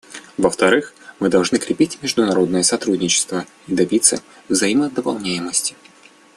Во-вторых, мы должны крепить международное сотрудничество и добиться взаимодополняемости.